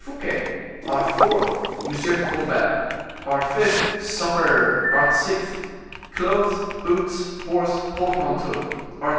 Fouquet; Art. 4th, M. Colbert; Art. 5th, supper; Art. 6th, clothes, boots, horse, portmanteau; Art.